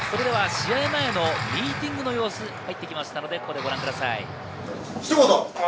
試合前のミーティングの様子が入ってきたので、ご覧ください。